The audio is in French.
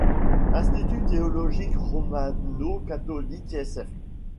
Institut théologique romano-catholique Sf.